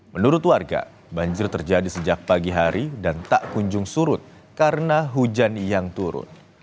menurut warga banjir terjadi sejak pagi hari dan tak kunjung surut karena hujan yang turun